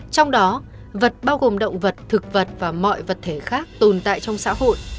trong đó vật bao gồm động vật thực vật và mọi vật thể khác tồn tại trong xã hội